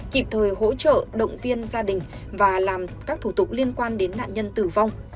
kịp thời hỗ trợ động viên gia đình và làm các thủ tục liên quan đến nạn nhân tử vong